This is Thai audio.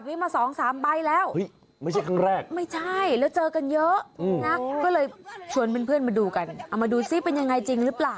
ก็เลยชวนเพื่อนเพื่อนมาดูกันเอามาดูสิเป็นยังไงจริงหรือเปล่า